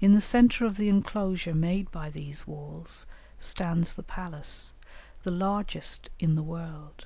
In the centre of the enclosure made by these walls, stands the palace, the largest in the world.